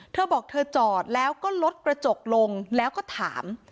เธอบอกเธอจอดแล้วก็ลดกระจกลงแล้วก็ถาม